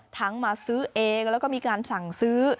มาซื้อเองแล้วก็มีการสั่งซื้อ